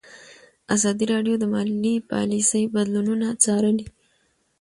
ازادي راډیو د مالي پالیسي بدلونونه څارلي.